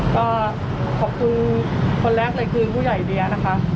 ก็ขอบคุณคนแรกเลยคือผู้ใหญ่เดียนะคะ